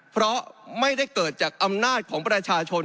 เพราะไม่ได้เกิดจากอำนาจของประชาชน